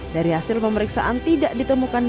dari hasil pemeriksaan tidak ditemukan